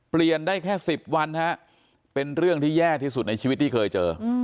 เปลี่ยนได้แค่๑๐วันฮะเป็นเรื่องที่แย่ที่สุดในชีวิตที่เคยเจอ